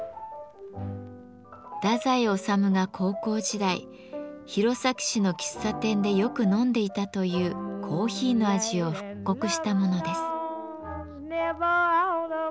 太宰治が高校時代弘前市の喫茶店でよく飲んでいたというコーヒーの味を復刻したものです。